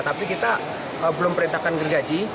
tapi kita belum perintahkan gergaji